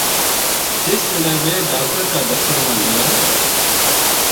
جس بِلے ویہ ڈاکٹر کا دفتر ما گیا